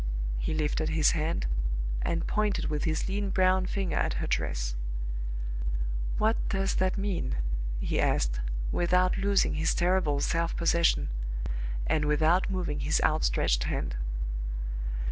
He lifted his hand, and pointed with his lean brown finger at her dress. "What does that mean?" he asked, without losing his terrible self possession, and without moving his outstretched hand.